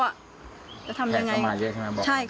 แขกเข้ามาเยอะใช่ไหมบอก